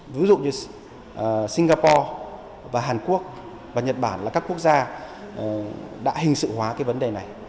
ví dụ như singapore và hàn quốc và nhật bản là các quốc gia đã hình sự hóa cái vấn đề này